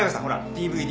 ＤＶＤ。